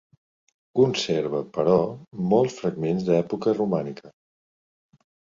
Conserva, però, molts fragments d'època romànica.